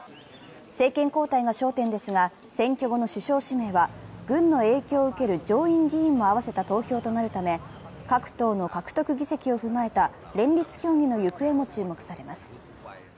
政権交代が焦点ですが、選挙後の首相指名は軍の影響を受ける上院議員も合わせた投票となるため各党の獲得議席を踏まえた連立協議の行方も注目されます。